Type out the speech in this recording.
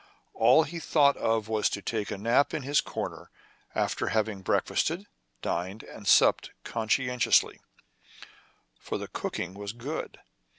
All he thought of was to take a nap in his corner after having breakfasted, dined, and supped conscientiously ; for the cooking was good.